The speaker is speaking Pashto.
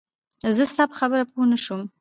زه ستا په خبره پوهه نه شوم